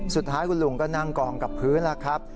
สุดท้ายคุณลุงก็นั่งกองกับพื้นแล้วครับ